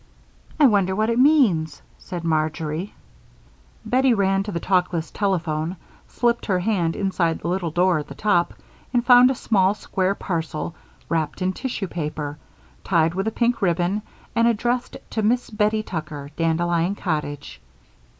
'" "I wonder what it means," said Marjory. Bettie ran to the talkless telephone, slipped her hand inside the little door at the top, and found a small square parcel wrapped in tissue paper, tied with a pink ribbon, and addressed to Miss Bettie Tucker, Dandelion Cottage.